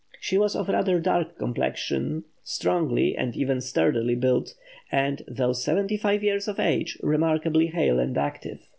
She was of rather dark complexion, strongly and even sturdily built, and, though seventy five years of age, remarkably hale and active.